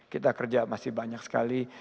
kita kerja masih banyak sekali